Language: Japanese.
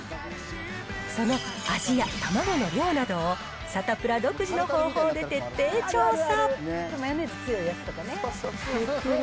その味やたまごの量などを、サタプラ独自の方法で徹底調査。